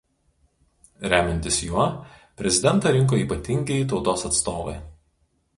Remiantis juo Prezidentą rinko Ypatingieji Tautos atstovai.